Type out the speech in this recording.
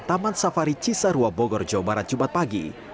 taman safari cisarua bogor jawa barat jumat pagi